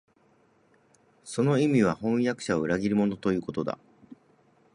その意味は、飜訳者は裏切り者、ということだ